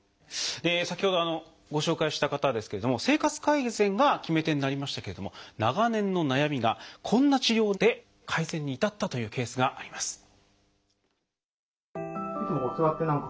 先ほどご紹介した方ですけれども生活改善が決め手になりましたけれども長年の悩みがこんな治療で改善に至ったというケースがあります。